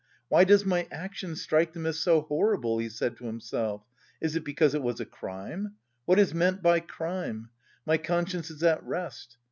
"Why does my action strike them as so horrible?" he said to himself. "Is it because it was a crime? What is meant by crime? My conscience is at rest.